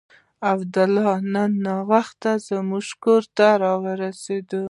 عبدالله نن ناوخته زموږ کور ته راورسېد.